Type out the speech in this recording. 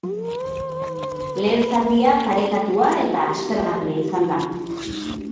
Lehen zatia parekatua eta aspergarria izan da.